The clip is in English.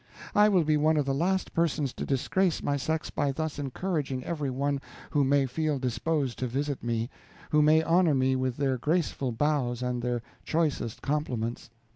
I will be one of the last persons to disgrace my sex by thus encouraging every one who may feel disposed to visit me, who may honor me with their graceful bows and their choicest compliments.